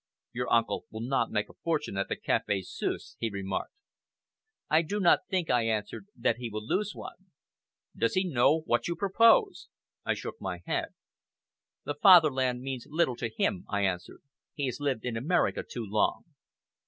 "Your uncle will not make a fortune at the Café Suisse," he remarked. "I do not think," I answered, "that he will lose one." "Does he know what you propose?" I shook my head. "The fatherland means little to him," I answered. "He has lived in America too long."